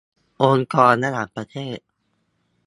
องค์กรระหว่างประเทศ